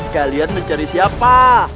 kalian mencari siapa